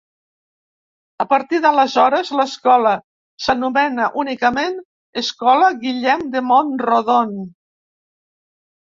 A partir d’aleshores, l’escola s’anomena únicament Escola Guillem de Mont-rodon.